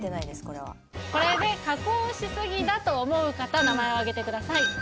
これはこれで加工しすぎだと思う方名前をあげてください